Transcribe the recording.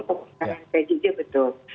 kekurangan pgd betul